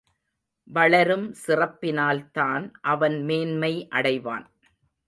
வளரும் சிறப்பினால்தான் அவன் மேன்மை அடைவான்.